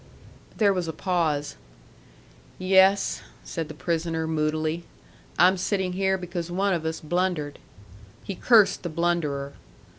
There was a pause. "Yes," said the prisoner, moodily. "I'm sitting here because one of us blundered." He cursed the blunderer.